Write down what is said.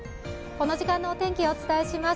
この時間のお天気、お伝えします